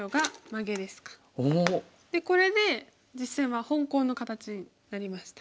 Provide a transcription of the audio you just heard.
でこれで実戦は本コウの形になりました。